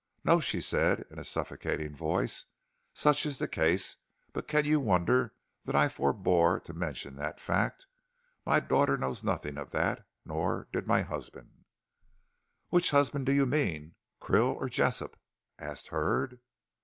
"No," she said in a suffocating voice, "such is the case; but can you wonder that I forebore to mention that fact? My daughter knows nothing of that nor did my husband " "Which husband do you mean, Krill or Jessop?" asked Hurd.